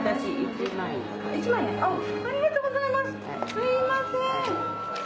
すいません。